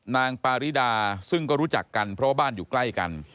นางปาริดาซึ่งก็รู้จักกันเพราะว่าบ้านอยู่ใกล้กัน